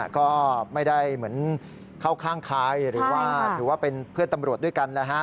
ก็ไม่ได้เหมือนเข้าข้างคายหรือว่าเป็นเพื่อนตำรวจด้วยกัน